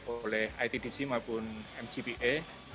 oleh itdc maupun mgpa